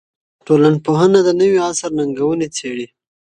ټولنپوهنه د نوي عصر ننګونې څېړي.